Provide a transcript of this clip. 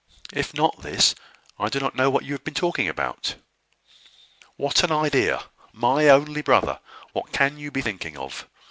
If not this, I do not know what you have been talking about." "What an idea! My only brother! What can you be thinking of?